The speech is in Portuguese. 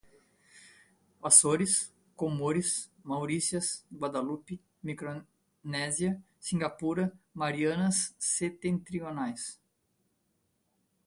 Açores, Comores, Maurícias, Guadalupe, Micronésia, Singapura, Marianas Setentrionais